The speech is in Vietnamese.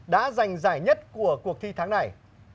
là cuộc thi ảnh dài nhất của cuộc thi tháng này